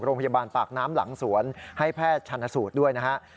โรงพยาบาลปากน้ำหลังสวนให้แพทย์ชันสูตรด้วยนะฮะ